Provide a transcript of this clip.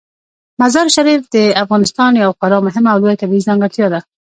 مزارشریف د افغانستان یوه خورا مهمه او لویه طبیعي ځانګړتیا ده.